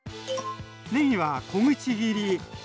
ねぎは小口切り。